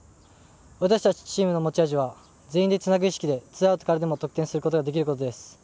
私たちチームの持ち味は全員でつなぐ意識でツーアウトからでも得点をすることができることです。